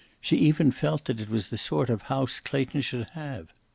She even felt that it was the sort of house Clayton should have.